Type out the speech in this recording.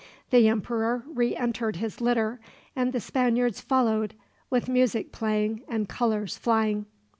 The emperor re entered his litter, and the Spaniards followed, with music playing and colors flying.